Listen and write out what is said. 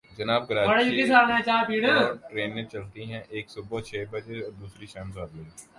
جناب، کراچی دو ٹرینیں چلتی ہیں، ایک صبح چھ بجے اور دوسری شام سات بجے۔